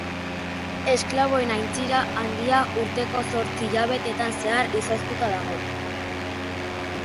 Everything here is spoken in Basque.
Esklaboen Aintzira Handia urteko zortzi hilabetetan zehar izoztuta dago.